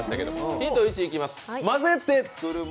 ヒント１いきます。